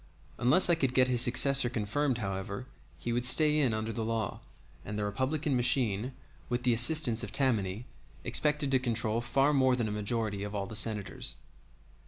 Unless I could get his successor confirmed, however, he would stay in under the law, and the Republican machine, with the assistance of Tammany, expected to control far more than a majority of all the Senators.